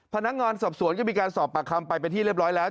พนักงานสอบสวนก็มีการสอบปากคำไปเป็นที่เรียบร้อยแล้ว